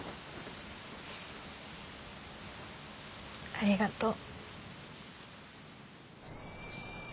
ありがとう。